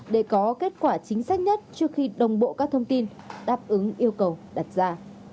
để có kết quả chính xác nhất trước khi đồng bộ các thông tin đáp ứng yêu cầu đặt ra